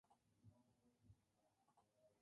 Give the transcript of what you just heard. Es zona de cría de vacas lecheras, cerdos y corderos.